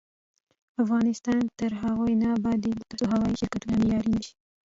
افغانستان تر هغو نه ابادیږي، ترڅو هوايي شرکتونه معیاري نشي.